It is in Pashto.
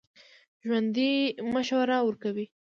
ژوندي مشوره ورکوي